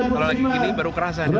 kalau lagi begini baru kerasa